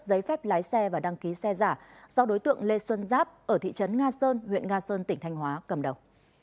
giấy phép lái xe và đăng ký xe giả do đối tượng lê xuân giáp ở thị trấn nga sơn huyện nga sơn tỉnh thanh hóa cầm đầu